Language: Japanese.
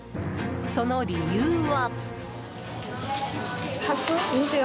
その理由は。